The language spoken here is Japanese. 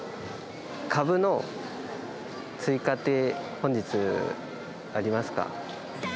かぶの追加って、本日、ありますか？